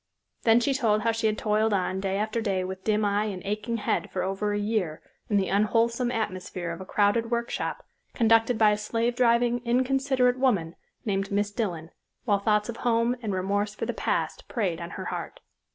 Then she told how she had toiled on day after day with dim eye and aching head for over a year in the unwholesome atmosphere of a crowded workshop conducted by a slave driving, inconsiderate woman named Miss Dillon, while thoughts of home and remorse for the past preyed on her heart.